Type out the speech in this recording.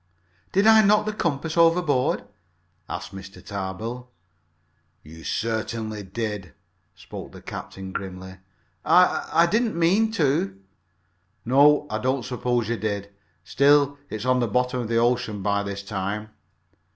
"Did I knock the compass overboard?" asked Mr. Tarbill. "You certainly did," spoke the captain grimly. "I I didn't mean to." "No, I don't suppose you did. Still, it's on the bottom of the ocean by this time."